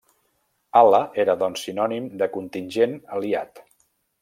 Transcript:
Ala era doncs sinònim de contingent aliat.